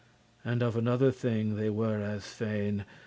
And of another thing they were as fain*.